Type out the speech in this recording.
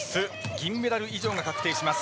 銀メダル以上が確定します。